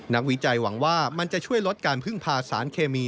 วิจัยหวังว่ามันจะช่วยลดการพึ่งพาสารเคมี